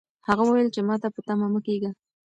هغه وویل چې ماته په تمه مه کېږئ.